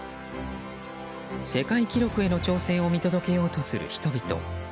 世界記録への挑戦を見届けようとする人々。